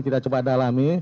kita coba dalami